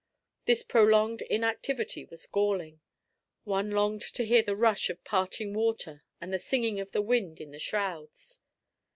This prolonged inactivity was galling. One longed to hear the rush of parting water and the singing of the wind in the shrouds.